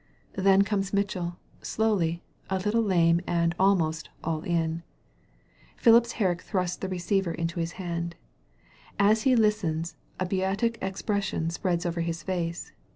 Then comes Mitchell, slowly, a little lame, and almost '*all in." Phipps Herrick thrusts the re ceiver into his hand. As he listens a beatific ex pression spreads over his face.